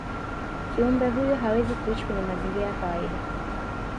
kiumbe huyo hawezi kuishi kwenye mazingira ya kawaida